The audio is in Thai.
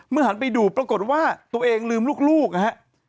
เมื่อหันไปดูปรากฏว่าตัวเองลืมลูกลูกนะฮะ